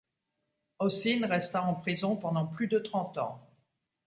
Hocine resta en prison pendant plus de trente ans.